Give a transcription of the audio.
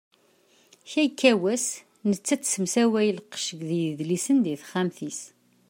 Kra ikka wass, nettat tessemsaway lqecc d yedlisen di texxamt-is.